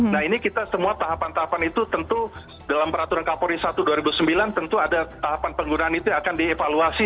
nah ini kita semua tahapan tahapan itu tentu dalam peraturan kapolri satu dua ribu sembilan tentu ada tahapan penggunaan itu akan dievaluasi